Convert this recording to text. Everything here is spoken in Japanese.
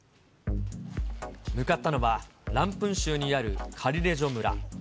向かったのは、ランプン州にあるカリレジョ村。